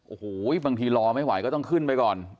โอ้โหบางทีรอไม่ไหวก็ต้องขึ้นไปก่อน